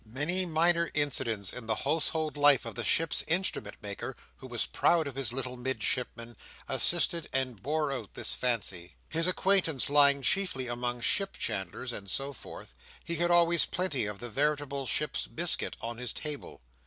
Many minor incidents in the household life of the Ships' Instrument maker who was proud of his little Midshipman, assisted and bore out this fancy. His acquaintance lying chiefly among ship chandlers and so forth, he had always plenty of the veritable ships' biscuit on his table.